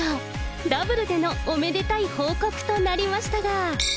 ダブルでのおめでたい報告となりましたが。